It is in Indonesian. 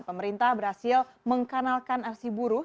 pemerintah berhasil mengkanalkan aksi buruh